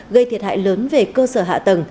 gây thiệt hại lớn về cơ sở hạ tầng